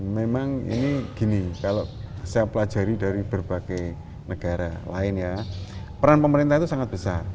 memang ini gini kalau saya pelajari dari berbagai negara lain ya peran pemerintah itu sangat besar